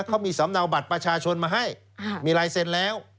เขามีสำเนาบัตรประชาชนมาให้มีลายเซ็นต์แล้ว